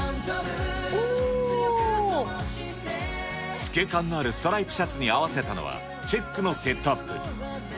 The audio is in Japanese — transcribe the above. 透け感のあるストライプシャツに合わせたのは、チェックのセットアップ。